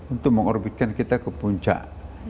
untuk mengorbitkan kita ke puncak